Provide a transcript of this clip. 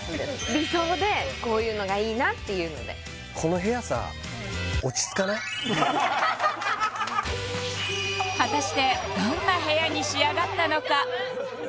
理想でこういうのがいいなっていうので果たしてどんな部屋に仕上がったのか！？